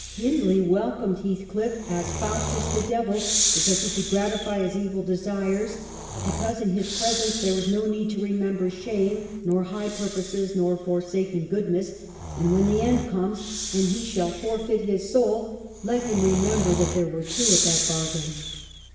Hindley welcomed Heathcliff, as Faustus the Devil, because he could gratify his evil desires ; because, in his presence, there was no need to remember shame, nor high purposes, nor forsaken goodness ; and when the end comes, and he shall forfeit his soul, let him remember that there were two at that bargain.